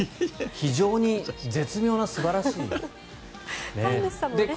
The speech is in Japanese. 非常に絶妙な素晴らしい。